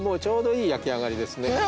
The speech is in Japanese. ちょうどいい焼き上がりですね。